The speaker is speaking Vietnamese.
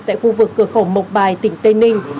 tại khu vực cửa khẩu mộc bài tỉnh tây ninh